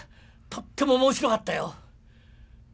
とっても面白かったよ。